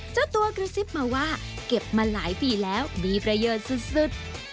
เจ้าตัวกระซิบมาว่าเก็บมาหลายปีแล้วมีประโยชน์สุด